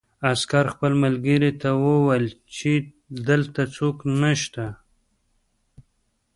عسکر خپل ملګري ته وویل چې دلته څوک نشته